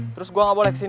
terus gue gak boleh kesini